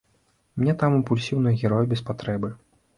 Мне там імпульсіўныя героі без патрэбы.